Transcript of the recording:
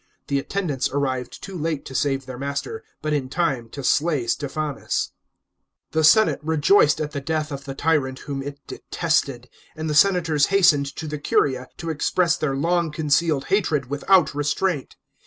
The attendants arrived too late to save their master, but in time to slay Stephnnus. § 20. The senate rejoiced at the death of the tyrant whom it detested, and the senators hastened to the curia to express their long concealed hatred without restraint.